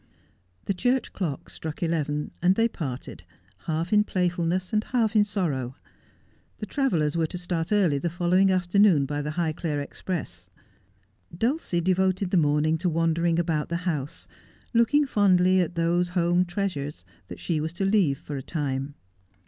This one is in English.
The church clock struck eleven, and they parted, half in play fulness and half in sorrow. The travellers were to start early the following afternoon by the Highclere express. Dulcie devoted the morning to wandering about the house, looking fondly at those home treasures she was to leave for a time.